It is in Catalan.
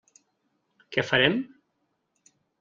Què farem?